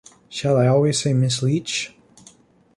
Shall I always say Miss Leach?